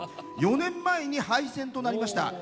４年前に廃線となりました